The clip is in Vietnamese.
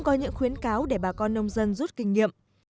đã khuyến cáo để bà con nông dân rút kinh nghiệm